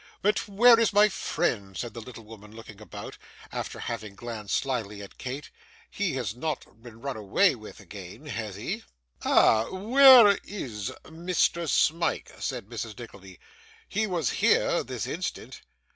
But where is my friend?' said the little woman, looking about, after having glanced slyly at Kate. 'He has not been run away with again, has he?' 'Ah! where is Mr. Smike?' said Mrs. Nickleby; 'he was here this instant.